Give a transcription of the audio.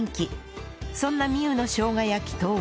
そんな美虎のしょうが焼きとは